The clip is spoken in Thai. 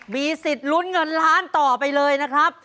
มีสิทธิ์ลุ้นเงินล้านต่อไปเลยนะครับ